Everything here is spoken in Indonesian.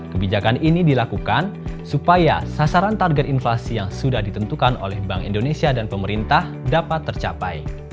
kebijakan ini dilakukan supaya sasaran target inflasi yang sudah ditentukan oleh bank indonesia dan pemerintah dapat tercapai